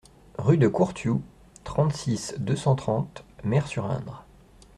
Route de Courtioux, trente-six, deux cent trente Mers-sur-Indre